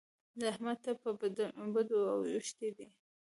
د احمد ټپ په بدو اوښتی دی.